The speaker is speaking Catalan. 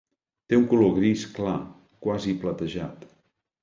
Té un color gris clar, quasi platejat.